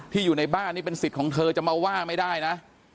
อยู่ในบ้านนี่เป็นสิทธิ์ของเธอจะมาว่าไม่ได้นะ